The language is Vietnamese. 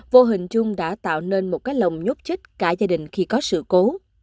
vô hình chung đã tạo nên một cái lòng nhốt chích cả gia đình khi có sự cố